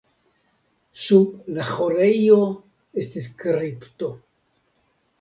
Sub la ĥorejo estis kripto.